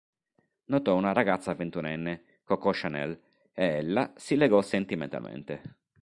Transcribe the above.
Notò una ragazza ventunenne, Coco Chanel, e ella si legò sentimentalmente.